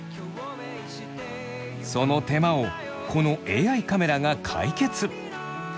その手間をこのＡＩカメラが解決。